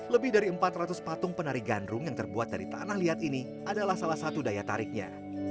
lebih dari empat ratus patung penari gandrung yang terbuat dari tanah liat ini adalah salah satu daya tariknya